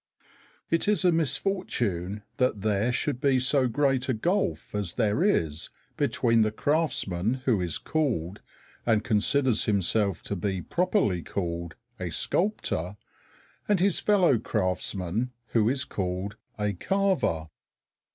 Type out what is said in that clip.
It is a misfortune that there should be so great a gulf as there is between the craftsman who is called, and considers himself to be properly called, "a sculptor" and his fellow craftsman who is called "a carver."